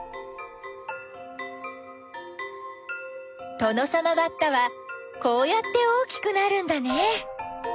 トノサマバッタはこうやって大きくなるんだね。